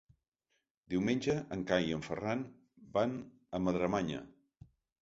Diumenge en Cai i en Ferran van a Madremanya.